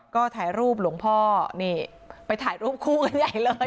ก็ถ่ายรูปหลวงพ่อนี่ไปถ่ายรูปคู่กันใหญ่เลย